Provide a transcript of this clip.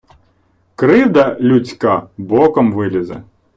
Кривда людська боком вилізе.